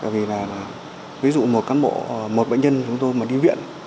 ví dụ một cán bộ một bệnh nhân chúng tôi mà đi viện